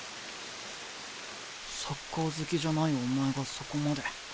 サッカー好きじゃないお前がそこまで。